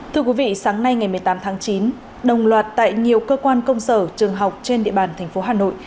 thưa quý vị sáng nay ngày một mươi tám tháng chín đồng loạt tại nhiều cơ quan công sở trường học trên địa bàn thành phố hà nội